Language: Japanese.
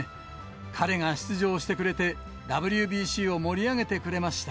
彼が出場してくれて、ＷＢＣを盛り上げてくれました。